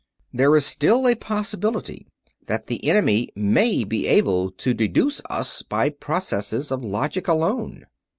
There is still a possibility that the enemy may be able to deduce us by processes of logic alone.